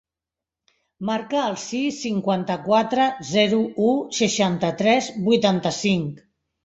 Marca el sis, cinquanta-quatre, zero, u, seixanta-tres, vuitanta-cinc.